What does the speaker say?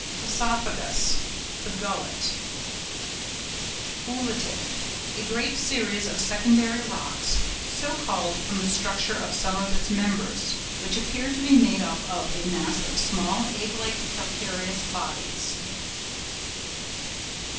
ŒSOPHAGUS.—The gullet. OOLITIC.—A great series of secondary rocks, so called from the texture of some of its members, which appear to be made up of a mass of small EGG LIKE calcareous bodies.